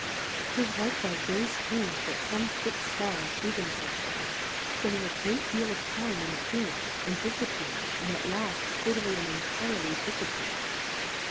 Tis likewiie very jftrange that fome lix'd Stars Ihew themfelves to us, fpending a great deal of time in appearing, and difappear ing, andatlaft, totally and entirely dif appear.